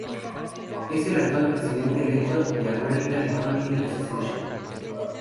Es el actual presidente electo de la American Economic Association.